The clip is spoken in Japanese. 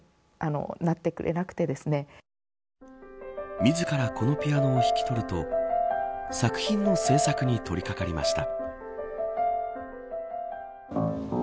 自らこのピアノを引き取ると作品の制作に取り掛かりました。